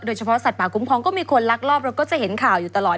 สัตว์ป่าคุ้มครองก็มีคนลักลอบเราก็จะเห็นข่าวอยู่ตลอด